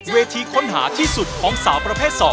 เวทีค้นหาที่สุดของสาวประเภท๒